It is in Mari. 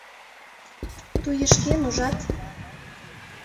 Туешкен, ужат?